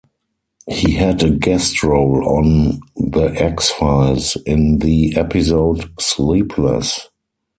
He had a guest role on "The X-Files" in the episode "Sleepless".